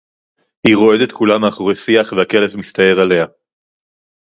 הִיא רוֹעֶדֶת כֻּלָּהּ מֵאֲחוֹרֵי שִׂיחַ וְהַכֶּלֶב מִסְתָּעֵר אֵלֶיהָ.